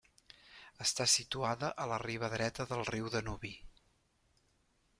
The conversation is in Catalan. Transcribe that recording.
Està situada a la riba dreta del riu Danubi.